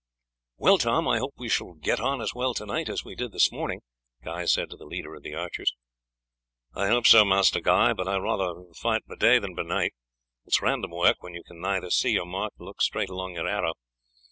"Well, Tom, I hope we shall get on as well to night as we did this morning," Guy said to the leader of the archers. "I hope so, Master Guy, but I would rather fight by day than by night; it is random work when you can neither see your mark nor look straight along your arrow.